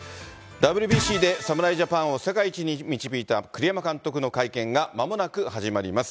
ＷＢＣで侍ジャパンを世界一に導いた栗山監督の会見が、まもなく始まります。